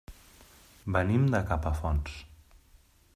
Venim de Capafonts.